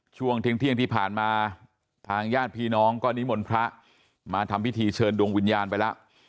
ช่วงเที่ยงที่ผ่านมาทางญาติพี่น้องก็นิมนต์พระมาทำพิธีเชิญดวงวิญญาณไปแล้ว